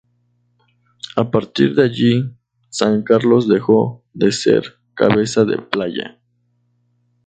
A partir de allí San Carlos dejó de ser cabeza de playa.